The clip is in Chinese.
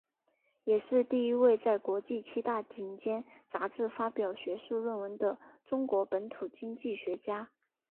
也是第一位在国际七大顶尖杂志发表学术论文的中国本土经济学家。